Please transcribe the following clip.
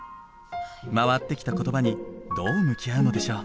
回ってきた言葉にどう向き合うのでしょう。